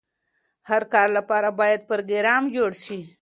هر کار لپاره باید پروګرام جوړ شي.